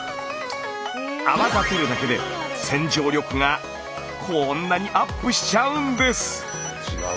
泡立てるだけで洗浄力がこんなにアップしちゃうんです。